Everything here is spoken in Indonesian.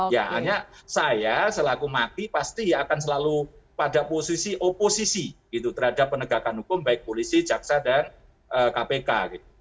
ya hanya saya selaku mati pasti akan selalu pada posisi oposisi gitu terhadap penegakan hukum baik polisi jaksa dan kpk